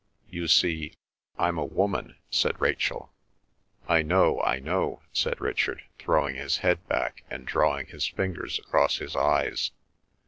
"You see, I'm a woman," said Rachel. "I know—I know," said Richard, throwing his head back, and drawing his fingers across his eyes.